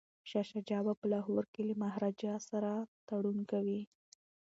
شاه شجاع په لاهور کي له مهاراجا سره تړون کوي.